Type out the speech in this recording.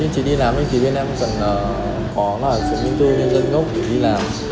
nếu như chị đi làm thì bên em cần có là chứng minh thư nhân dân gốc đi làm